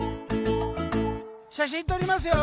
写真撮りますよ！